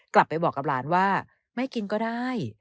กลับไปบอกกับหลานว่าไม่กินก็ได้